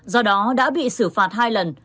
do đó đã bị xử phạt hai lần